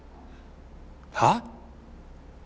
はあ？